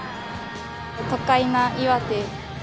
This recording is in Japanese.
「都会な岩手」。